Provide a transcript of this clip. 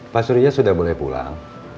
pak surya sudah mulai pulang